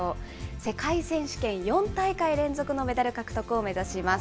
世界選手権４大会連続のメダル獲得を目指します。